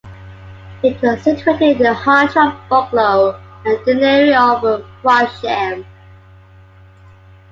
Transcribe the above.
It was situated in the hundred of Bucklow and deanery of Frodsham.